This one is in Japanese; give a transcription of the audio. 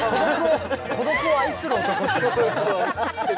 孤独を愛する男。